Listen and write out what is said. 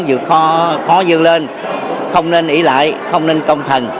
dựa khó dương lên không nên ý lại không nên công thần